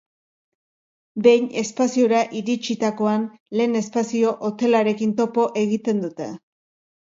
Behin espaziora iritsitakoan lehen espazio hotelarekin topo egiten dute.